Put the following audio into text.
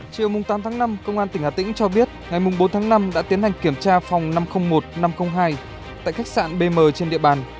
chiều tám tháng năm công an tỉnh hà tĩnh cho biết ngày bốn tháng năm đã tiến hành kiểm tra phòng năm trăm linh một năm trăm linh hai tại khách sạn bm trên địa bàn